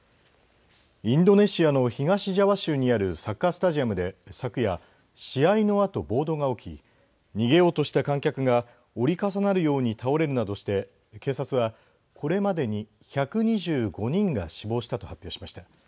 インドネシアの東ジャワ州にあるサッカースタジアムで昨夜、試合のあと暴動が起き逃げようとした観客が折り重なるように倒れるなどして警察はこれまでに１２５人が死亡したと発表しました。